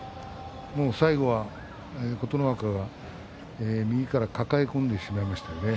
もう最後は琴ノ若が右から抱え込んでしまいましたね。